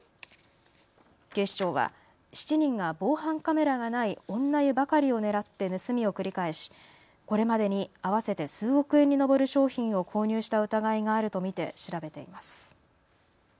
警視庁は７人が防犯カメラがない女湯ばかりを狙って盗みを繰り返しこれまでに合わせて数億円に上る商品を購入した疑いがあると見て調べています。